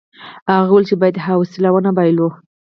هغه وویل چې باید حوصله ونه بایلو.